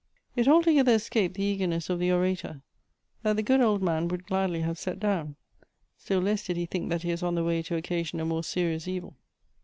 It altogether escaped the eagerness of the orator, that the good old man would gladly have set down ; still less did he think that he was on the way to occasion a more serious evil.